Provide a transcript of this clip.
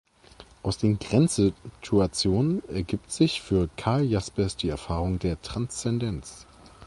Aus den Grenzsituationen ergibt sich für Karl Jaspers die Erfahrung der Transzendenz.